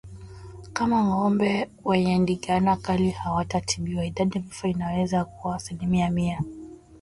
Kama ngombe wenye ndigana kali hawatatibiwa idadi ya vifo inaweza kuwa asilimia mia